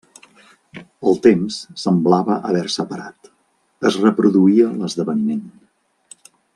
El temps semblava haver-se parat, es reproduïa l'esdeveniment.